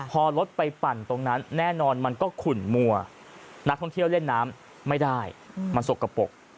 พอรถไปปั่นตรงนั้นแน่นอนมันก็ขุ่นมัวนักท่องเที่ยวเล่นน้ำไม่ได้มันสกปรก